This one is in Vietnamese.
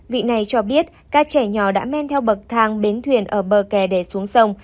vị này cho biết các trẻ nhỏ đã men theo bậc thang bến thuyền ở bờ kè để xuống sông